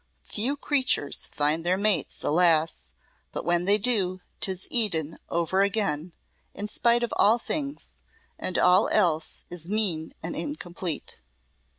Few creatures find their mates, alas; but when they do 'tis Eden over again, in spite of all things and all else is mean and incomplete.